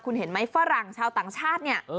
คุณเห็นไหมฝรั่งชาวต่างชาติเนี่ย